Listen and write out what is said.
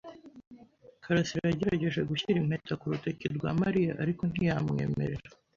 karasira yagerageje gushyira impeta ku rutoki rwa Mariya, ariko ntiyamwemerera.